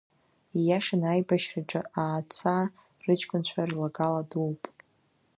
Ииашаны аибашьраҿы Аацаа рыҷкәынцәа рлагала дууп.